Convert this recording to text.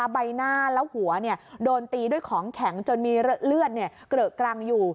ใบหน้าแล้วหัวโดนตีด้วยของแข็งจนมีเลือดเกลอะกรังอยู่